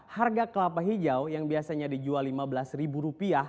harga kelapa hijau yang biasanya dijual rp lima belas